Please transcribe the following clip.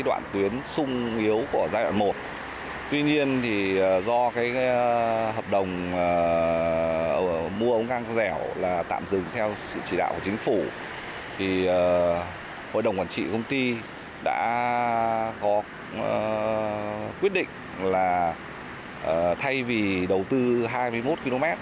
đã gọt quyết định là thay vì đầu tư hai mươi một km